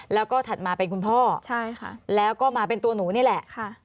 แล้วก็ถัดมาเป็นคุณพ่อใช่ค่ะแล้วก็มาเป็นตัวหนูนี่แหละ